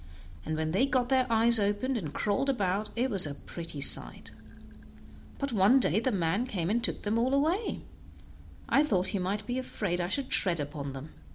and when they got their eyes open and crawled about, it was a real pretty sight; but one day the man came and took them all away; I thought he might be afraid I should tread upon them.